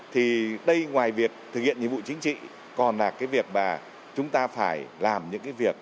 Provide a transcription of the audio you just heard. thì đây ngoài việc thực hiện nhiệm vụ chính trị còn là cái việc mà chúng ta phải làm những cái việc